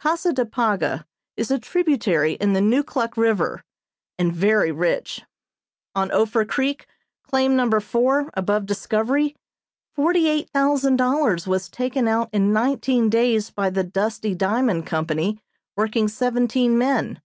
Casa de Paga is a tributary of the Neukluk River, and very rich. On Ophir Creek, claim No. four, above Discovery, $48,000 was taken out in nineteen days by the Dusty Diamond Company working seventeen men.